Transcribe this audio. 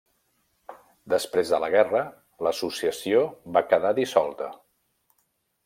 Després de la guerra, l'Associació va quedar dissolta.